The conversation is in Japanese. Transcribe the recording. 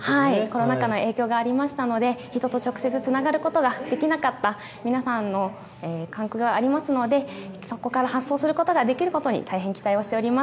コロナの影響がありましたので、人と直接つながることができなかった皆さんのがありますので、そこから発想することができることに大変期待をして。